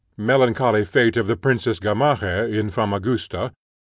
Melancholy fate of the Princess Gamaheh, in Famagusta.